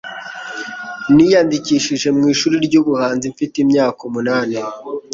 Niyandikishije mu ishuri ry'ubuhanzi mfite imyaka umunani.